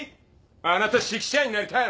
あなた指揮者になりたいの？